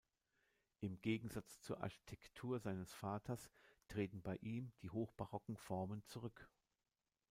Im Gegensatz zur Architektur seines Vaters treten bei ihm die hochbarocken Formen zurück.